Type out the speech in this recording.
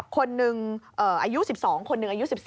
คนหนึ่งอายุ๑๒คนหนึ่งอายุ๑๓